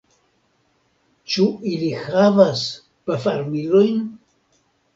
Ĉu ili havas pafarmilojn?